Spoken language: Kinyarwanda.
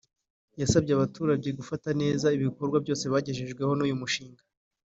yasabye abaturage gufata neza ibikorwa byose bagejejweho n’uyu mushinga